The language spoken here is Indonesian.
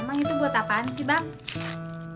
emang itu buat apaan sih bang